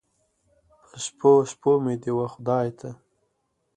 په شپو، شپو مې دې و خدای ته